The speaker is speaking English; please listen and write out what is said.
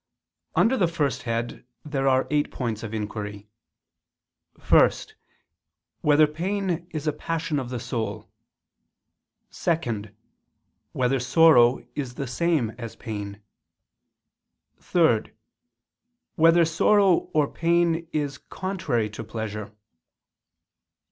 Under the first head there are eight points of inquiry: (1) Whether pain is a passion of the soul? (2) Whether sorrow is the same as pain? (3) Whether sorrow or pain is contrary [to] pleasure?